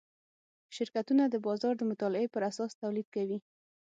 شرکتونه د بازار د مطالعې پراساس تولید کوي.